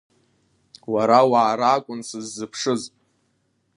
Уара уаара акәын сыззыԥшыз…